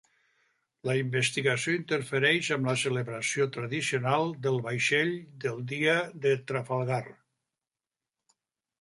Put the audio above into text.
La investigació interfereix amb la celebració tradicional del vaixell del Dia de Trafalgar.